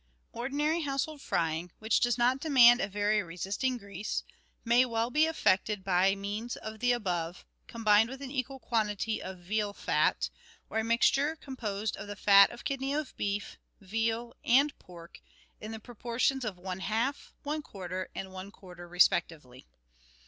Ordinary household frying, which does not demand a very resisting grease, may well be effected by means of the above, combined with an equal quantity of veal fat, or a mixture composed of the fat of kidney of beef, veal, and pork in the proportions of one half, one quarter, and one quarter respectively.